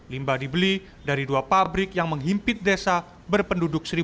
limba dibeli dari dua pabrik yang menghimpit desa berpenduduk satu delapan ratus jiwa